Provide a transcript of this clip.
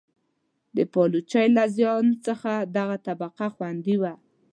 د پایلوچۍ له زیان څخه دغه طبقه خوندي وه.